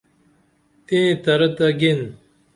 تئیں ترہ تہ گین